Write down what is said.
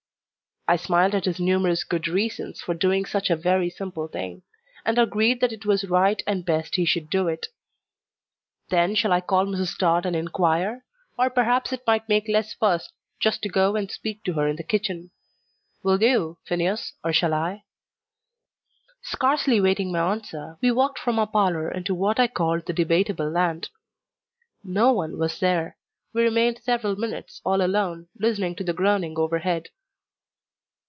I smiled at his numerous good reasons for doing such a very simple thing; and agreed that it was right and best he should do it. "Then shall I call Mrs. Tod and inquire? Or perhaps it might make less fuss just to go and speak to her in the kitchen. Will you, Phineas, or shall I?" Scarcely waiting my answer, we walked from our parlour into what I called the Debateable Land. No one was there. We remained several minutes all alone, listening to the groaning overhead.